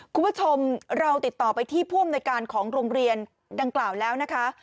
คุณผู้ชมเราติดต่อไปที่ผู้อำนวยการของโรงเรียนดังกล่าวแล้วนะคะ